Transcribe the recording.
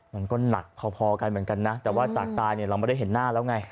มันก็หนักพอกันเหมือนกันนะแต่ว่าจากตายเนี่ยเราไม่ได้เห็นหน้าแล้วไง